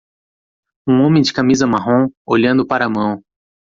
Um homem de camisa marrom, olhando para a mão.